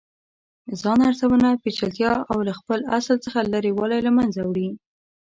ځان ارزونه پیچلتیا او له خپل اصل څخه لرې والې له منځه وړي.